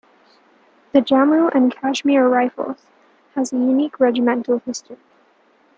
The Jammu and Kashmir Rifles has a unique regimental history.